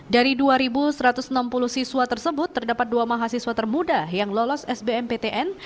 dari dua satu ratus enam puluh siswa tersebut terdapat dua mahasiswa termuda yang lolos sbmptn